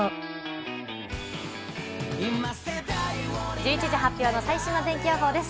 １１時発表の最新の天気予報です。